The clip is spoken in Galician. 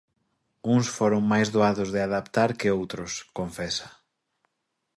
"Uns foron máis doados de adaptar que outros", confesa.